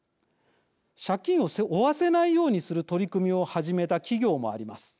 借金を負わせないようにする取り組みを始めた企業もあります。